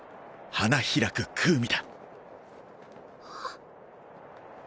花開くクウミ。